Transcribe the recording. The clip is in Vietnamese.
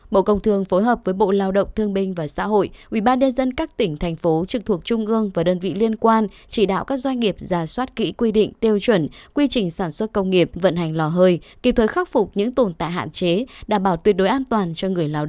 bộ công thương phối hợp với bộ lao động thương binh và xã hội ubnd các tỉnh thành phố trực thuộc trung ương và đơn vị liên quan chỉ đạo các doanh nghiệp giả soát kỹ quy định tiêu chuẩn quy trình sản xuất công nghiệp vận hành lò hơi kịp thời khắc phục những tồn tại hạn chế đảm bảo tuyệt đối an toàn cho người lao động